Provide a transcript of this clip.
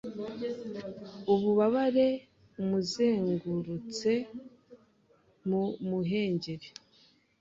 Ububabare amuzengurutse mu muhengeri